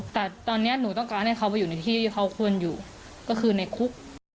แต่ตอนนี้หนูต้องการให้เขาไปอยู่ในที่เขาควรอยู่ก็คือในคุก